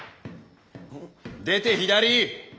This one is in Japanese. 出て左。